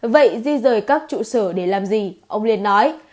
vậy di rời các trụ sở để làm gì ông liên nói